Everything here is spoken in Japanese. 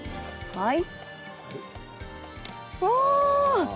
はい。